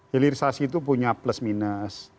hilirisasi itu punya plus minus